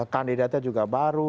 kandidatnya juga baru